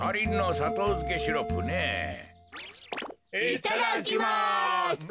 いただきます。